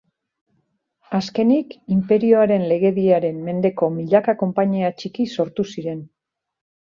Azkenik, inperioaren legediaren mendeko milaka konpainia txiki sortu ziren.